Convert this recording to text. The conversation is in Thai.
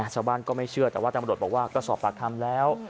ชาวบ้านก็ไม่เชื่อแต่ว่าตำรวจบอกว่าก็สอบปากคำแล้ว